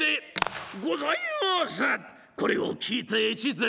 これを聞いて越前。